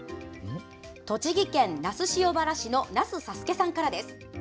栃木県那須塩原市の那須サスケさんからです。